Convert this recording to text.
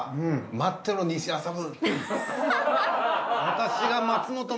待ってろ西麻布。